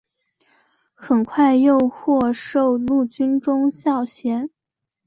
很快又获授陆军中校衔。